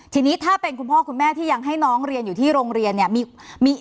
ทีนี้ถ้าเป็นคุณพ่อคุณแม่ที่ยังให้น้องเรียนอยู่ที่โรงเรียนเนี่ย